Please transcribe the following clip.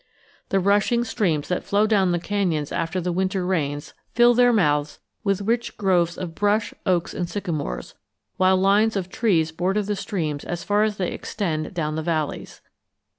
The rushing streams that flow down the canyons after the winter rains fill their mouths with rich groves of brush, oaks and sycamores; while lines of trees border the streams as far as they extend down the valleys.